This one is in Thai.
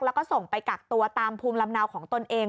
แล้วก็ส่งไปกักตัวตามภูมิลำเนาของตนเอง